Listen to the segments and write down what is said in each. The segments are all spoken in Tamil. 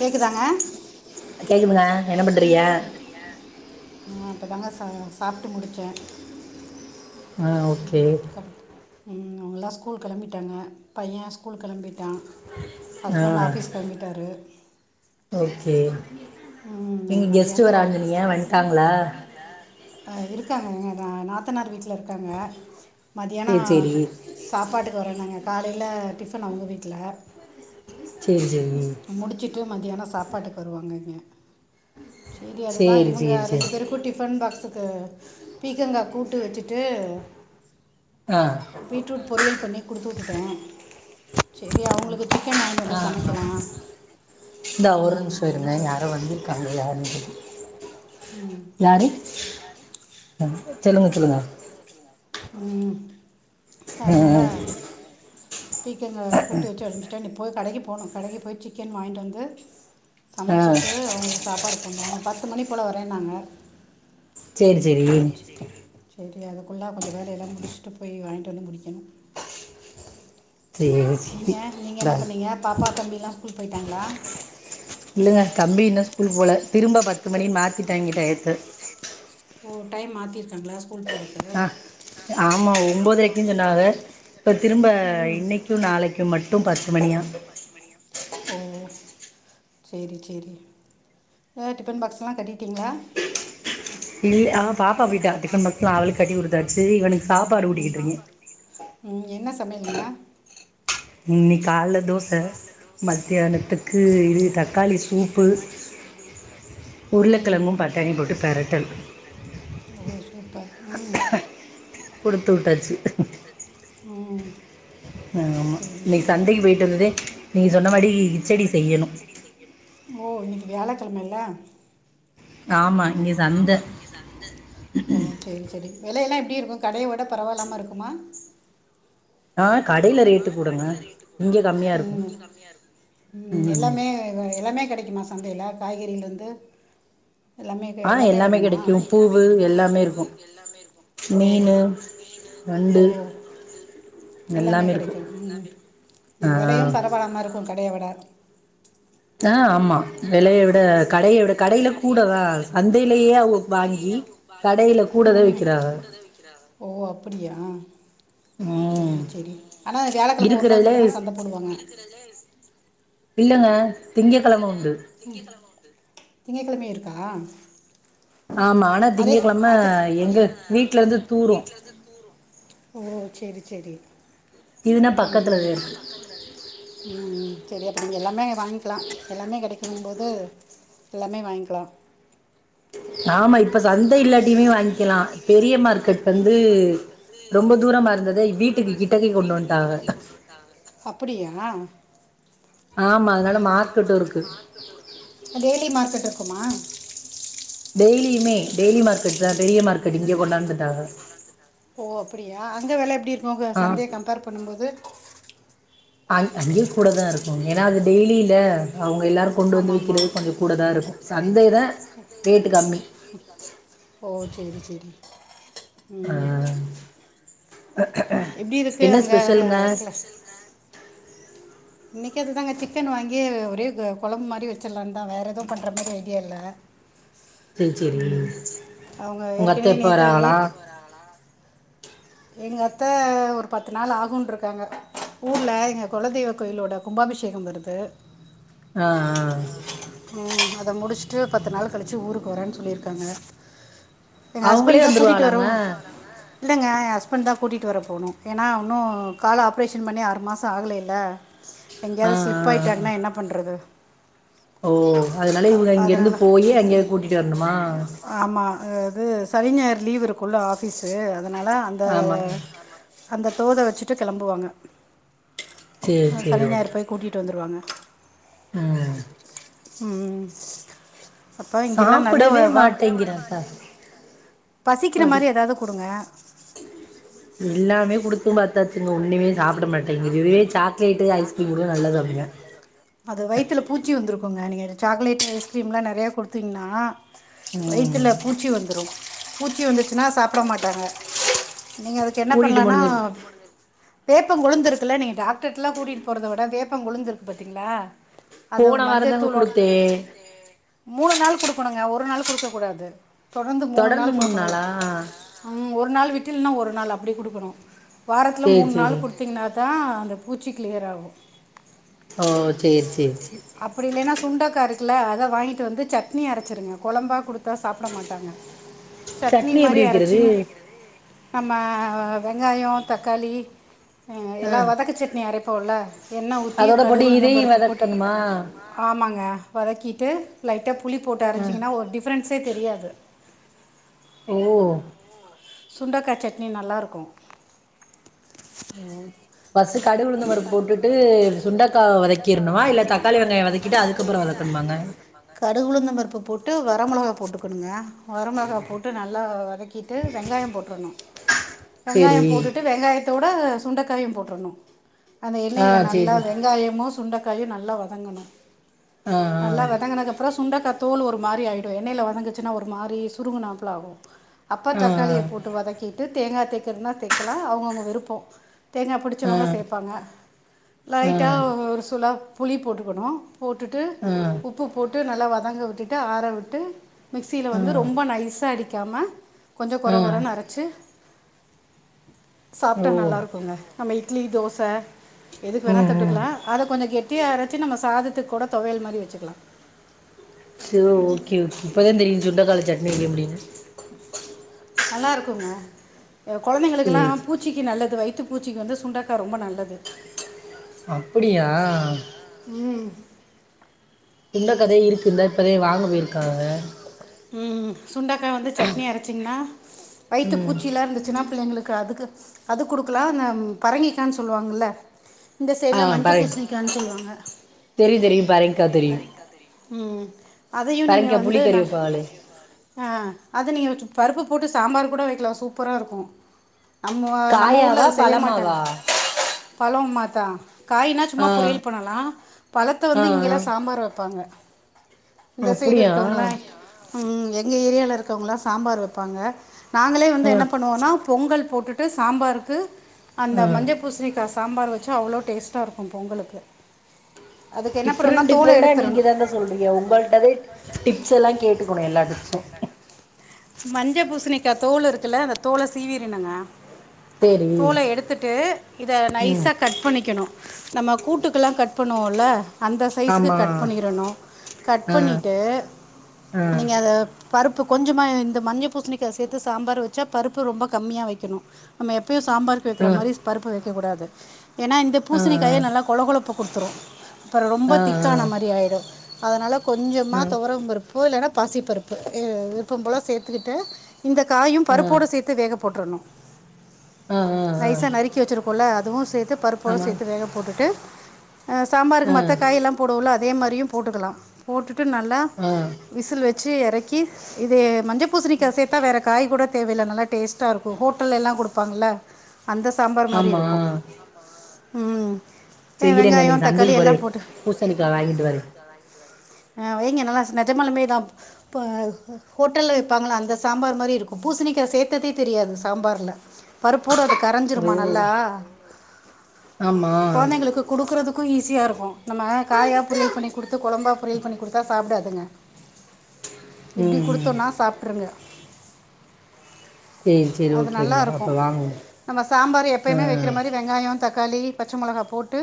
கேக்குதாங்க ஆ கேக்குதா ஆ என்ன பண்றீங்க நா இப்பதாங்க சாப்ட்டு முடிச்சேன் ஆ ஓகே ம் அவங்கயெல்லா ஸ்கூல் கேளம்பிட்டாங்க பையன் ஸ்கூல் கெளம்பிட்டா ஆ ஹஸ்பண்ட் ஆஃபிஸ் கெளம்பிட்டாரு ஓகே ம், நீங்க கெஸ்ட்டு வராங்னு சொன்னிங்க வன்ட்டாங்களா ஆ இருக்காங்க எங்க நாத் தனார் வீட்ல இருக்காங்க மதியானோ சேரி சேரி சாப்ட்டுக்கு வரேனாங்க காலையில டிஃபன் அவுங்க வீட்ல செரி செரி முடிச்சிட்டு மதியானோ சாப்பாட்டுக்கு வருவாங்க இங்கே சேரி அது தா இவங்க சேரி ரெண்டு சேரி பேர கூட்டிட் டிபன் பாக்ஸுக்கு பீக்கங்கா கூட்டு வெச்சிட்டு ஆ பீட்ரூட் பொரியல் பண்ணி குடுத்து வுட்டுட்டே செரி அவங்களுக்கு சிக்கன் வாங்கிட்டு ஆ வந்து சமைக்கலா ஆ இந்தா ஓரு நிமிசோ இருங்க சொல்லி யாரோ வந்துக்காங்க யாருனு ம் யாரி சொல்லுங்க சொல்லுங்க ம் ஆ அதனால ஆ பீக்கங்கா கூட்டு வச்சு அனுப்சிட்டே இப்போ கடைக்கி போனு கடைக்கு போய் சிக்கன் வாங்கிட்டு வந்து ஆ சமைச்சிட்டு அவங்களுக்கு சாப்பாடு போடணு அவுங்க பத்து மணி போல வரேன்னாங்க செரி செரி செரி அதுக்குள்ள கொஞ்சோ வேலையெல்லா முடிச்சிட்டு போய் வாங்கிட்டு வந்து முடிக்கணோ [unintelligible] ஏ நீங்க இந்தா என்ன பண்ணீங்க பாப்பா தம்பிலா ஸ்கூல் போயிட்டாங்களா இல்லைங்க தம்பி இன்னோ ஸ்கூல்க்கு போகல திரும்ப பத்து மணி மாத்திட்டாங்க டைம் ஓ டைம் மாத்திற்காங்கலா ஸ்கூல் போற ஆ ஆம்மா ஒம்பதொரைக்கினு சொன்னாங்க இப்போ திரும்ப இன்னைக் திரும்ப ட்டு நாளைக்கு மட்டு பத்து மணியா ஓ சேரி சேரி அ டிஃபன் பாக்ஸ்லா கட்டிட்டிங்ளா இல் ஆ பாப்பா போய்ட்டா டிஃபன் பாக்ஸ்ல்லா அவளுக்கு கட்டி குடுத்தாச்சி இவனுக்கு சாப்பாடு ஊட்டிட்டு இருக்கே ம் என்ன சமையலுங்க இன்னிக்கால்ல தோ இன்னிகால்ல தோச இது மத்தியானத்துக்கு தக்காளி இது சூப்பு தக்காளி சூப்பு ம் உருளைக்கிழங்கும் பட்டாணியும் போட்டு உருளகெழங்கு பெரட்டல் பட்டானி போட்டு மெட்டல் ம் சூப்பர் ம் குடுத்வுட்டாச்சி ம் ஆ ஆமா சரி இன்னைக்கு சரி சந்தைக்கு போயிட்டு வந்ததே நீங்க சொன்ன மாடி கிச்சடி செய்யனு ஓ இன்னைக்கு வியாழக்கெழம இல்ல ஆமா இங்க சந்த ஆமா இங்க சந்த் ஓ செரி செரி வெளயெல்லா எப்டி இருக்கு கடைய விட பரவால்லாம இருக்குமா ஆ கடையில ரேட்டு கூடங்க இங்க கம்மியாக இருக்கு கம்மியா இருக்கு ம் எல்லாமே எல்லாமே கெடைக்குமா சந்தையில காய்கறில இருந்து எல்லாமே கெ ஆ எல்லாமே வருமா கெடைக்கு பூவு எல்லாமே இருக்கு ஓ மீனு ஓ நண்டு எல்லாமே இருக்கு கெடைக்கு எல்லாமே ஆ வெலையு பரவாலா மாரி இருக்கு கடையை விட த்த ஆமா வெலையை விட கடையை விட கடையில கூட தா சந்தையிலயே அவுங்க வாங்கி கடையில கூடதா ம் விக்கிறாக ஓ அப்டியா ம் செரி செரி ஆனா வியாழக்கிழம ஒரு நாள் இருக்கறதுலே மட்டு தா சந்த போடுவாங்க இல்லங்க திங்கக்கெழம இல்லங்க உண்டு திங்ககிழம உண்டு திங்ககிழமையு இருக்கா ஆமா ஆனா அதே ஆமா ஆனா திங்ககிழம அது எங்க வீட்ல இருந்து தூரோ ஓ செரி செரி இதுனா பக்கத்துலதே செரி அப்ப நீங்க எல்லாமே வாங்கில்லா கெடைக்கணு போது எல்லாமே வாங்கில்லா ஆமா இப்ப சந்தை இல்லாட்டியுமே வாங்கில்லா பெரிய மார்க்கெட் வந்து ரொம்ப தூரமா இருந்தத வீட்டுக்கு கிட்டக்க கொண்டு வந்துட்டாங்க அப்டியா ஆமா அதனால மார்க்கெட்டு இருக்கு டெய்லி மார்க்கெட் இருக்குமா டெய்லியுமே டெய்லி மார்க்கெட் தா பெரிய மார்க்கெட் இங்க கொண்டு வந்துட்டாங்க ஓ அப்டியா அங்க வெல எப்டி இருக்கு இங்க ஆ சந்தய கம்பேர் பண்ணுபோது அங்கயு கூட தா இருக்கு ஏனா அது டெய்லில்ல அவுங்க எல்லாரு கொண்டு வந்து ஆமாம் ஆமாம் விற்கிறது கொஞ்சோ கூட தா இருக்கு சந்தைல ரேட் கம்மி ஓ செரி செரி ஆ ம் [unintelligible] எப்டி இருக்கு என்ன அங்கே ஸ்பெஷலுங்க க்ளஸ் இன்னக்கு அதுதாங்க சிக்கன் வாங்கி ஒரே கொழம்பு மாரி வச்சிடலான்னு தா வேற எதுவு பண்ற மாதிரி ஐடியா இல்ல சேரி சேரி அவங்க உங்க அத்த ஏற்கனவே எப்ப நேற்று வறாங்களா எங்க அத்த ஒரு பத்து நாள் ஆகுன்ருக்காங்க ஊர்ல எங்க குலதெய்வ கோயிலோட கும்பாபிஷேகம் வருது அஹ் அஹ் அஹ் ம் அத முடிச்சுட்டு பத்து நாள் கழிச்சு ஊருக்கு வரேன்னு சொல்லியிருக்காங்க எங்க ஹஸ்பண்ட் அவங்களே தா கூட்டிட்டு வந்துருவாளாங்க வரவு இல்லைங்க எ ஹஸ்பண்ட் தா கூட்டிட்டு வர போணு ஏன்னா இன்னு கால் ஆப்ரேஷன் பண்ணி ஆறு மாசோ ஆகலைல ஆ எங்கையாவது ஸ்லிப் ஆ ஆ ஆயிட்டாங்கன்னா என்ன பண்றது ஓ அதனால இவுங்க இங்கருந்து போயி அங்கே போய் கூட்டிட்டு வரணுமா ஆமா இது சனி ஞாயிறு லீவ் இருக்குல ஆஃபீஸு அதனால அந்த ஆமா அந்த தோத வச்சிட்டு கிளம்புவாங்க சேரி சேரி ஓகே கூட்டிட்டு வந்துருவாங்க ம் ம் அப்ப இங்கெல்லா நல்ல சாப்பிடவே வாங்கவே மாட்டேங்கிறான்க்கா மாட்டேங்குதுங்க பசிக்கிற அப்பாடி மாதிரி எதாவ்து குடுங்க எல்லாமே குடுத்து எல்லாமே குடுத்து பாத்தாச்சுங்க ஒண்ணுமே சாப்பிட இதுவே மாட்டேங்கது இதுவே சாக்லேட்டு ஐஸ்கிரீம் கூட சாக்லேட்டு நல்லா ஐஸ்கிரீமு சாப்டுங்க [unintelligible] அது வயித்ல பூச்சி வந்துருக்குங்க நீங்க சாக்லேட்டு ஐஸ்க்ரீம்லா நெறையா குடுத்தீங்ன்னா ம் வயித்ல பூச்சி வந்துடு பூச்சி வந்துருச்சுன்னா சாப்ட மாட்டாங்க நீங்க அதுக்கு என்ன கூட்டிட்டு பண்லானா போனது வேப்ப கொளுந்துருக்குல்ல நீங்க டாக்டர்டல்லா கூட்டிட்டு போறத விட வேப்ப கொளுந்திருக்கு பாத்தீங்ளா அது போன வாரந்தாங்க மஞ்சத்தூளோட குடுத்தே மூணு நாள் கொடுக்கணுங்க ஒரு நாள் கொடுக்க கூடாது தொடர்ந்து மூணு நாள் மூண் கொடுக்கணு நாளா ம் ஒரு நாள் விட்டு இல்லன்னா ஒரு நாள் அப்டி கொடுக்கணு வாரத்தில சேரி மூணு சேரி நாள் குடுத்தீங்கனா தா அந்த பூச்சி கிளியர் ஆகு ஓ சேரி சேரி சேரி அப்டி இல்லன்னா சுண்டைக்கா இருக்குல அத வாங்கிட்டு வந்து சட்னி அரச்சுருங்க குழம்பா கொடுத்தா சாப்ட மாட்டாங்க சட்னி மாதிரி எப்டி வைக்கிறது அரைச்சி நம்ம வெங்காயோ தக்காளி ஆ எல்லா வதக்கு சட்னி அரைப்போல எண்ண ஊத்தி அதோட போட்டு கடுகு இதையு உளுந்தம்பருப்பு போட்டு வதக்கணுமா ஆமாங்க வதக்கிட்டு லைட்டா புளி போட்டு ஆ அரச்சிங்கன்னா ஒரு டிஃபரென்ஸே தெரியாது ஓஹ் சுண்டக்கா சட்னி நல்லாருக்கு ம் ஃபர்ஸ்ட்டு கடுகு உளுந்தம்பருப்பு போட்டுட்டு சுண்டக்கா வதக்கிடணுமா இல்ல தக்காளி வெங்காய வதக்கிட்டு அதுக்கப்புறோ வதக்கணுமாங்க கடுகுளுந்தம்பருப்பு போட்டு வர மிளகா போட்டுக்கணுங்க வரமிளகா போட்டு நல்லா வதக்கிட்டு வெங்காயோ போட்ருணு வெங்காயோ சேரி போட்டுட்டு வெங்காயத்தோட சுண்டைக்காயு போட்ரணு அந்த ஆ எண்ணெயில நல்லா சேரி வெங்காயமு சுண்டக்காயு நல்லா வதங்கணு ஆ ஆ நல்லா வதங்கினது அப்புறோ சுண்டைக்கா தோல் ஒரு மாரி ஆயிடு எண்ணெயில வதங்குச்சுன்னா ஒரு மாரி சுருங்குநாப்ல ஆகு அப்பா ஆ தக்காளிய போட்டு வதக்கிட்டு தேங்கா தைக்கிறதுனா தைக்கலா அவங்கவுங்க விருப்போ தேங்கா ஆ பிடிச்சவங்க சேப்பாங்க ஆ ஆ லைட்டா ஒரு சுளா புளி போட்டுக்கனு போட்டுட்டு உப்பு போட்டு நல்லா வதங்கவிட்டுட்டு ஆற விட்டு மிக்சியில ஆ வந்து ரொம்ப நைஸாக அடிக்காம கொஞ்சோ கொர ஆ கொரன்னு அரச்சி ஓ சாப்ட்டா நல்லா இருக்குங்க நம்ம இட்லி தோச எதுக்கு வேணா ம் ம் தொட்டுக்கலா அத கொஞ்ச கெட்டியா அரைச்சு நம்ம சாதத்துக்கு கூட தொவயல் மாறி வச்சுக்கலா ச ஓகே இப்பதா தெரியு சுண்டக்கால சட்னி வக்க முடியும்னு நல்லா இருக்குங்க குழந்தைங்களுக்கெல்லா சேரி பூச் சே பூச்சிக்கு நல்லது வயித்து பூச்சிக்கு வந்து சுண்டக்கா ரொம்ப நல்லது அப்டியா ம் சுண்டக்காதே இருக்கு இந்தா இப்போதை வாங்க போயிருக்காங்க ம் சுண்டைக்கா வந்து சட்னி அரைச்சிங்கன்னா வயித்து ம் பூச்சியிலா இருந்துச்சுன்னா பிள்ளைங்களுக்கு அதுக்கு அது குடுக்கலா அந்த பரங்கிக்கான்னு சொல்லுவாங்கல்ல இந்த ஆ சைடுல மஞ்ச பரங் பூசணிக்கானு சொல்லுவாங்க தெரியு தெரியு பரங்கிக்கா தெரியு அதையு நீங்க பரங்கிக்கா வந்து புளிக்கறி நல் வப்பாகளே ஆ அது நீங்க வச்சு பருப்பு போட்டு சாம்பார் கூட வைக்கலா சூப்பராக இருக்கு நம்ம நம்ம ஊர்ல காயாவா அத செய்ய மாட்டாங்க பழமாவா பழம் மா தா காயினா ஆ சும்மா பொரியல் பண்ணலா பழத்த ஆ வந்து ஆ இங்கெல்லா சாம்பார் வப்பாங்க இந்த சைடு அப்டியா இருக்கவங்களா ம் எங்க ஏரியாவுல இருக்கிறவங்களா சாம்பார் வப்பாங்க நாங்களே வந்து ஆ என்ன பண்ணுவோன்னா பொங்கல் போட்டுட்டு சாம்பாருக்கு அந்த ஆ மஞ்ச பூசினிக்கா சாம்பார் வச்சு அவ்ளோ டேஸ்ட்டாக இருக்கு பொங்கலு அதுக்கு என்ன பண்ணணுன்னா டிஃப்ரெண்ட் தோல டிஃப்ரெண்டா நீங்க எடுத்துறணு தாங்க சொல்றீங்க உங்கள்ட்டதே டிப்ஸ் எல்லா கேட்டுக்கணு எல்லா டிப்ஸு மஞ்சப் பூசணிக்கா தோல் இருக்குல்ல அந்த தோல சீவீரினுங்க சேரி தோல எடுத்துட்டு இத ம் நைஸாக கட் பண்ணிக்கணு நம்ம கூட்டுக்கெல்லா கட் பண்ணுவோல்ல அந்த சைஸுக்கு ஆமா கட் பண்ணிறணு கட் ஆ பண்ணிட்டு ஆ நீங்க அத பருப்பு கொஞ் சமா இந்த மஞ்ச பூசணிக்கா சேர்த்து சாம்பார் வச்சா பருப்பு ரொம்ப கம்மியா வைக்கணு நம்ம எப்பயு சாம்பாருக்கு ஆ வைக்கிற ஆ மாரி பருப்பு வைக்கக் கூடாது ஏன்னா இந்த பூசணிக்காயே நல்லா கொளகொளப்ப குடுத்துரு அப்பறோ ஆ ரொம்ப ஆ ஆ திக்கான மாரி ஆயிடோ அதனால கொஞ்சமா தொவரம் பருப்பு பு இல்லன்னா பாசிப்பருப்பு இ விருப்போ போல சேத்துக்கிட்டு இந்த காயு ஆ ஆ பருப்போட சேத்து வேக போட்றணு ஆ ஆ நைசா நறுக்கி வச்சிருக்கோல அதுவு சேத்து பருப்போட ஆமா சேத்து வேக போட்டுட்டு அ ஆ சாம்பாருக்கு மத்த காய்யெல்லா போடுவோல அதே மாரியு போட்டுக்கலா போட்டுட்டு நல்லா அ விசில் வெச்சு எறக்கி இது மஞ்ச பூசணிக்கா சேத்தா வேற காய் கூட தேவயில்ல நல்லா டேஸ்ட்டா இருக்கோ ஹோட்டல்லல்லா குடுப்பாங்கள்ள அந்த சாம்பார் மாரி ஆமா இருக்கு ம் அஹ், செய்யிறேங்க நா இன்னக்கி வெங்காயம் தக்காளி சந்தைக்கு போற எல்லாம் போட்டு பூசணிக்கா வாங்கிட்டு வரே அ வெய்ங்க நல்லா நெஜமாலுமே தா ப ஹோட்டல்ல விப்பாங்கள்ள அந்த சாம்பார் மாரி இருக்கு பூசணிக்கா சேத்ததே தெரியாது சாம்பார்ல பருப்போட கரஞ்சிருமா அது ஓ நல்லா ஆமா கொழந்தைங்களுக்கு குடுக்குறதுக்கு ஈஸியா இருக்கோ நம்ம காயா பொரியல் பண்ணி குடுத்து கொழம்பா பொரியல் பண்ணி குடுத்தா சாப்டாதுங்க ம் இப்டி ம் குடுத்தோன்னா சாப்ட்ருங்க சேரி சேரி அது நல்லா ஓகேங்க இருக்கு அப்போ வாங்க நம்ம சாம்பாரு ஆ எப்பயுமே வெக்கிற மாரி வெங்காயோ தக்காளி பச்ச மொளகா போட்டு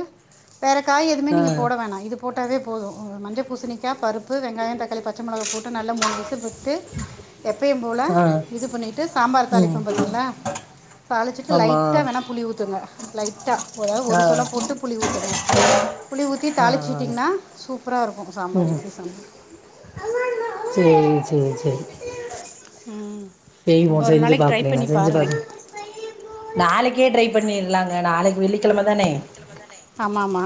வேற காய் எதுமே ஆ நீங்க போட வேணா இது போட்டாவே போது அ மஞ்ச பூசணிக்கா பருப்பு வெங்காயோ தக்காளி பச்ச மொளகா போட்டு நல்லா மூணு விசில் விட்டு எப்பயும் போல ஆ இது பண்ணிட்டு சாம்பார் ம் தாளிப்போ பாத்தீங்ளா தாளிச்சிட்டு ஆமா லைட்டா வேணா புளி ஊத்துங்க லைட்டா அதாவது ஒரு ஆ சொலப் போட்டு புளி ஊத்துங்க புளி ஊத்தி ஆ ஆ தாளிச்சிட்டிங்ன்னா சூப்பரா இருக்கோ சாம்பார் ம் இட்லி சாம்பார் சேரி சேர் சேரி ம் செய்வோ ஒரு செஞ்சு நாளைக்கு ட்ரை பாக்குறே நா பண்ணி செஞ்சு பாருங்கள் பாத்து நாளைக்கே ட்ரை பண்ணிர்லாங்க நாளைக்கு வெள்ளிக்கெழம தானே ஆமா ஆமா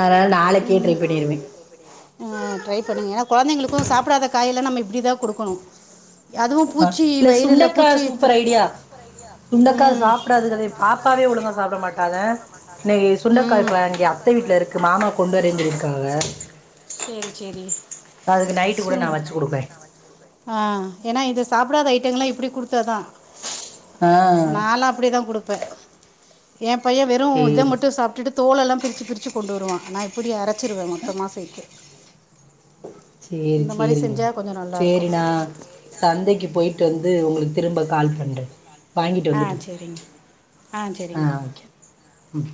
அதனால நாளைக்கே ட்ரை பண்ணிருவே அ ட்ரை பண்ணுங்க ஏனா கொழந்திங்ளுக்கோ சாப்டாத காயெல்லா நம்ம இப்டிதா குடுக்கணு அ இல்ல சுண்டக்கா சூப்பர் த- ஐடியா சுண்டக்கா ம் சாப்டாதுகளே பாப்பாவே ஒழுங்கா சாப்ட மாட்டாக இன்னைக்கி சுண்டக்கா ம் இப்ப இங்க அத்த வீட்ல இருக்கு மாமா கொண்டு வரேன் சொல்லியிருக்காக சேரி சேரி அதுக்கு நைட்டு கூட நா வச்சு குடுப்பே அ ஏனா இது சாப்டாத ஐட்டங்கல்லா இப்டி குடுத்தாதா ஆ நாலா அப்டிதா குடுப்பே எ பைய வெறு இத சேரி மட்டு சாப்ட்டுட்டு தோலெல்லா பிரிச்சு பிரிச்சு கொண்டு வருவா நா இப்படி அரச்சிருவ மொத்தமா சேத்து சேரி மாதிரி சேரிங்க செஞ்சால் கொஞ்சம் சேரி நல்லாயிருக்கும் நா சந்தைக்கு போய்ட்டு வந்து உங்களுக் திரும்ப கால் பண்ற வாங்கிட்டு ஆ வந்துட்டு சரிங்க ஆ அ சரிங்க ஓகே ம்